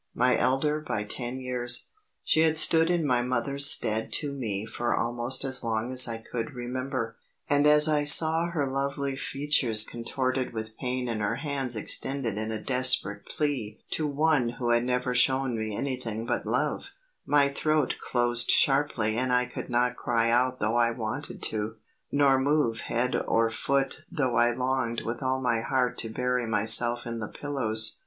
My elder by ten years, she had stood in my mother's stead to me for almost as long as I could remember, and as I saw her lovely features contorted with pain and her hands extended in a desperate plea to one who had never shown me anything but love, my throat closed sharply and I could not cry out though I wanted to, nor move head or foot though I longed with all my heart to bury myself in the pillows.